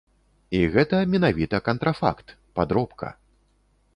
І гэта менавіта кантрафакт, падробка.